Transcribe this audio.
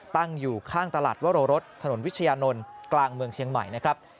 ตั้งอยู่ข้างตลาดวรรสถนนวิชญานนท์กลางเมืองเชียงใหม่นะครับ